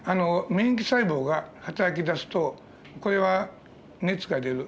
免疫細胞がはたらきだすとこれは熱が出る。